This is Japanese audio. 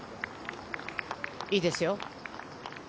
いいですよ。